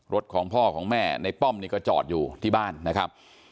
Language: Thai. รถของพ่อของแม่ในป้อมนี่ก็จอดอยู่ที่บ้านนะครับ